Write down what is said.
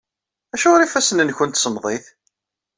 Acuɣer ifassen-nwent semmḍit?